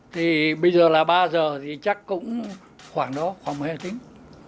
thì bây giờ là ba giờ thì chắc cũng khoảng đó khoảng một mươi hai tiếng